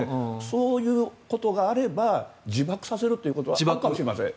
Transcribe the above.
そういうことがあれば自爆させるということはあったかもしれません。